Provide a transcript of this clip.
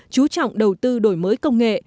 chú trọng đầu tư đổi mới công nghệ